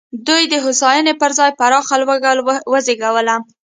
دوی د هوساینې پر ځای پراخه لوږه وزېږوله.